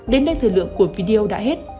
đến đây thời lượng của video đã hết